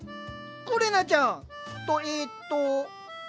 くれなちゃん！とえっと。